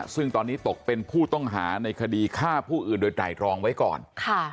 ซึ่งตอนนี้ตกเป็นผู้ต้องหาในคดีฆ่าผู้อื่นโดยไตรรองไว้ก่อน